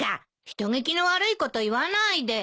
人聞きの悪いこと言わないで。